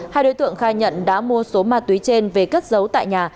hai đối tượng khai nhận đã mua số ma túy trên về cất giấu tại nhà